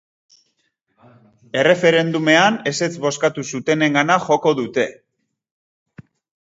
Erreferendumean ezetz bozkatu zutenengana joko dute.